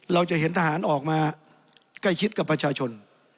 เราจะเห็นทหารออกมาใกล้ชิดกับประชาชน